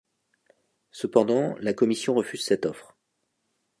Cependant, la commission refuse cette offre.